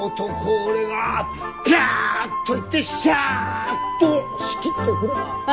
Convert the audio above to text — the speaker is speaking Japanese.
俺がピャッと行ってシャッと仕切っとくらあ。